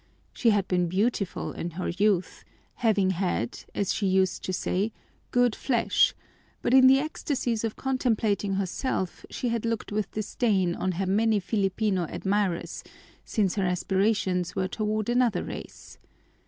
She had been beautiful in her youth, having had, as she used to say, 'good flesh,' but in the ecstasies of contemplating herself she had looked with disdain on her many Filipino admirers, since her aspirations were toward another race.